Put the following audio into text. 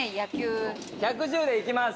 １１０でいきます。